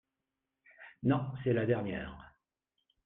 Non, c’est la dernière.